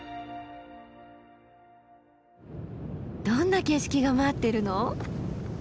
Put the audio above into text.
どんな景色が待ってるの？